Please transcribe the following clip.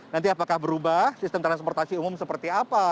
nanti apakah berubah sistem transportasi umum seperti apa